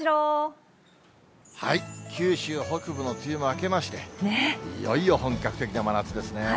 九州北部の梅雨も明けまして、いよいよ本格的な真夏ですね。